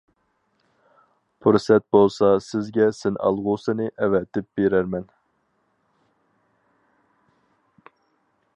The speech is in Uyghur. پۇرسەت بولسا سىزگە سىنئالغۇسىنى ئەۋەتىپ بېرەرمەن.